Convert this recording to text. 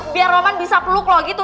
biar roman bisa peluk loh gitu